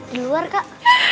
di luar kak